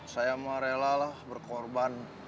saya mah rela lah berkorban